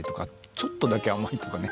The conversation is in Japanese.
ちょっとだけ甘いとかね。